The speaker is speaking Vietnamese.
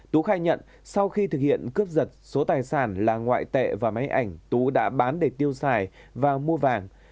tú khai nhận sau khi thực hiện cướp giật số tài sản là ngoại tệ và máy ảnh tú đã bán để tiêu xài và mua vàng